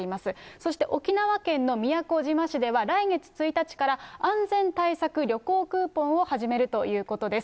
そして沖縄県の宮古島市では、来月１日から安全対策旅行クーポンを始めるということです。